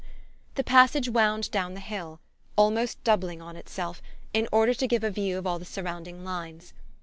The passage wound down the hill, almost doubling on itself, in order to give a view of all the surrounding lines.